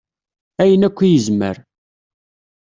Ayen akk i yezmer.